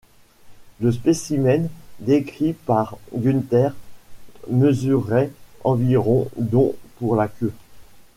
Le spécimen décrit par Günther mesurait environ dont pour la queue.